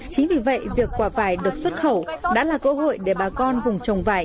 chính vì vậy việc quả vải được xuất khẩu đã là cơ hội để bà con vùng trồng vải